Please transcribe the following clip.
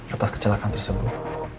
atas kecelakaan tersebut